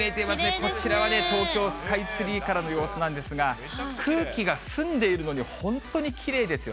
こちらは東京スカイツリーからの様子なんですが、空気が澄んでいるので、本当にきれいですよ